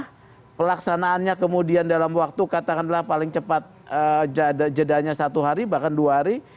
karena pelaksanaannya kemudian dalam waktu katakanlah paling cepat jedanya satu hari bahkan dua hari